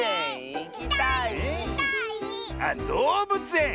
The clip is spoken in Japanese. あっどうぶつえん。